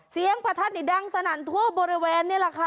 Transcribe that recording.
ประทัดนี่ดังสนั่นทั่วบริเวณนี่แหละค่ะ